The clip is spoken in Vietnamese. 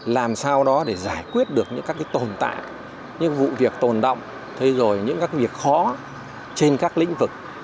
làm sao đó để giải quyết được những các cái tồn tại những vụ việc tồn động thế rồi những các việc khó trên các lĩnh vực